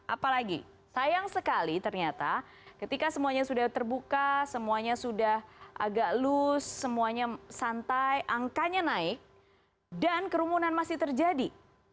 apalagi sayang sekali ternyata ketika semuanya sudah terbuka semuanya sudah agak loose semuanya santai angkanya naik dan kerumunan masih terjadi